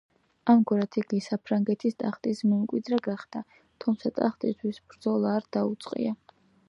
ამრიგად იგი საფრანგეთის ტახტის მემკვიდრე გახდა, თუმცა ტახტისათვის ბრძოლა არ დაუწყია.